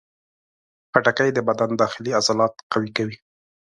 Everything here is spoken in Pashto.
خټکی د بدن داخلي عضلات قوي کوي.